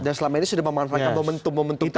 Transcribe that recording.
dan selama ini sudah memanfaatkan momentum momentum tadi